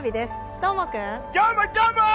どーもくん！